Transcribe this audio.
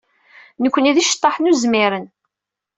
Nekkni d iceḍḍaḥen uzmiren.